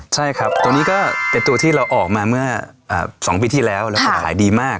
ใช่ครับตัวนี้ก็เป็นตัวที่เราออกมาเมื่อ๒ปีที่แล้วแล้วก็ขายดีมาก